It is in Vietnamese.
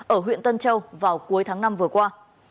ở huyện tân châu vào cuối tháng năm vừa qua